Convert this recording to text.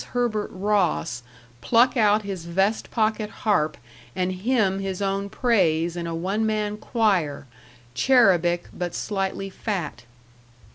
Herbert Ross pluck out his vest pocket harp and hymn his own praise in a one man choir, cherubic, but slightly fat.